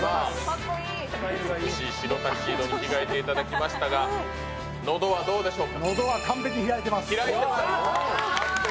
白タキシードに着替えていただきましたが、喉はどうでしょう？